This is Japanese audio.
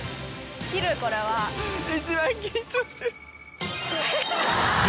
・切るこれは・一番緊張してる。